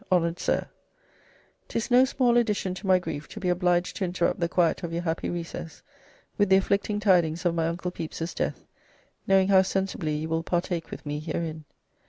"Honoured Sir, "'Tis no small addition to my grief, to be obliged to interrupt the quiet of your happy recess with the afflicting tidings of my Uncle Pepys's death: knowing how sensibly you will partake with me herein.